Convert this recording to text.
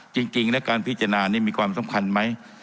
จริงและการพิจารณานี่มีความสำคัญไหม